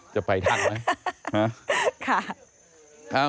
จะไปทักไหมค่ะ